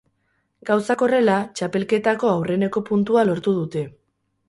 Gauzak horrela, txapelketako aurreneko puntua lortu dute.